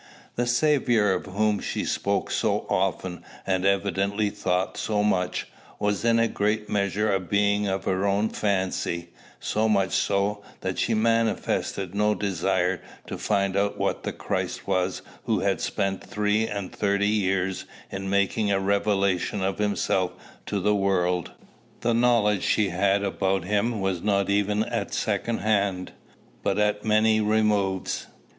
The Saviour of whom she spoke so often, and evidently thought so much, was in a great measure a being of her own fancy; so much so, that she manifested no desire to find out what the Christ was who had spent three and thirty years in making a revelation of himself to the world. The knowledge she had about him was not even at second hand, but at many removes.